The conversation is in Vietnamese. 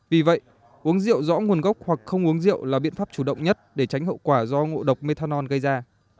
vì vậy uống rượu rõ nguồn gốc hoặc không uống rượu là biện pháp chủ động nhất để tránh hậu quả do ngộ độc methanol gây ra